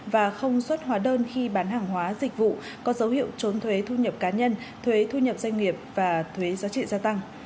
và không xuất hóa đơn khi bán hàng hóa dịch vụ có dấu hiệu trốn thuế thu nhập cá nhân thuế thu nhập doanh nghiệp và thuế giá trị gia tăng